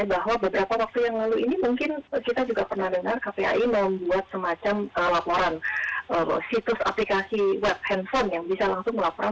bahwa beberapa waktu yang lalu ini mungkin kita juga pernah dengar kpai membuat semacam laporan situs aplikasi web handphone yang bisa langsung melaporkan